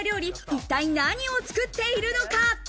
一体、何を作っているのか？